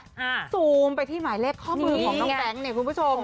ข้อมูลออกไปซูมมาที่หมายเลขข้อมูลของน้องแฟงค์